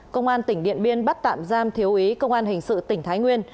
công an tỉnh điện biên bắt tạm giam thiếu ý công an hình sự tỉnh thái nguyên